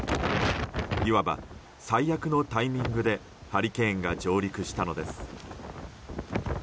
いわば最悪のタイミングでハリケーンが上陸したのです。